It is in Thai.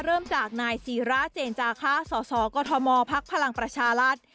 เริ่มจากนายศีราเจนจาคาสอสอกธมภพพลังประชาลัฐ